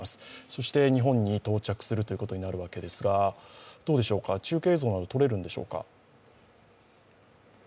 そして日本に到着するということになるわけですが中継映像などとれるのでしょうか。